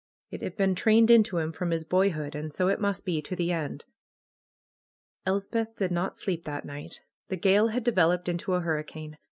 It had been trained into him from his boyhood, and so it must be to the end. Elsepth did not sleep that night. The gale had de veloped into a hurricane.